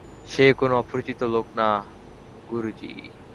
সে কোন অপরিচিত লোক না, গুরুজি।